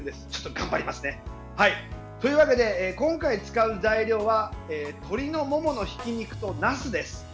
頑張りますね。というわけで、今回使う材料は鶏のもものひき肉と、なすです。